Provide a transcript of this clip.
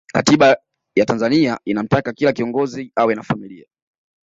katiba ya tanzania inamtaka kila kiongozi awe na familia